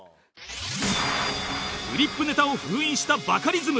フリップネタを封印したバカリズム